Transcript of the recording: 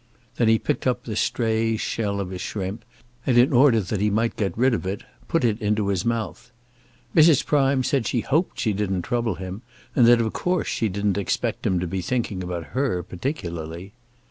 Then he picked up the stray shell of a shrimp, and in order that he might get rid of it, put it into his mouth. Mrs. Prime said she hoped she didn't trouble him, and that of course she didn't expect him to be thinking about her particularly.